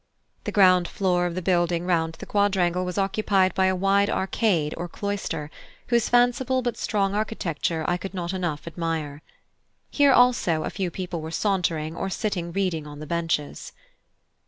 The ground floor of the building round the quadrangle was occupied by a wide arcade or cloister, whose fanciful but strong architecture I could not enough admire. Here also a few people were sauntering or sitting reading on the benches.